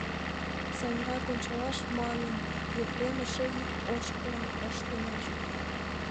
Сайынрак ончалаш манын, Епрем эше ик ошкылым ыштынеже